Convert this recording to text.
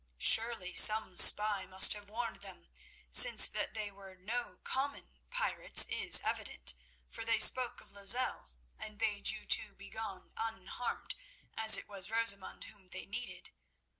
Surely some spy must have warned them, since that they were no common pirates is evident, for they spoke of Lozelle, and bade you two begone unharmed, as it was Rosamund whom they needed.